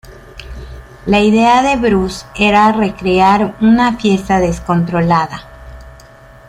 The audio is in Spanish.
La idea de Bruce era recrear una fiesta descontrolada.